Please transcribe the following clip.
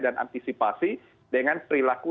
dan antisipasi dengan perilaku